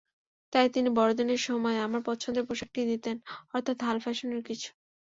তাই তিনি বড়দিনের সময় আমার পছন্দের পোশাকটাই দিতেন, অর্থাৎ হাল ফ্যাশনের কিছু।